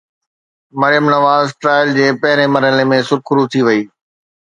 Maryam Nawaz trial جي پهرين مرحلي ۾ سرخرو ٿي وئي.